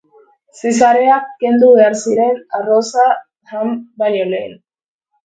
Zizareak kendu behar ziren, arroza jan baino lehen.